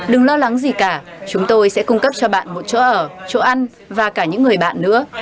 đừng lo lắng gì cả chúng tôi sẽ cung cấp cho bạn một chỗ ở chỗ ăn và cả những người bạn nữa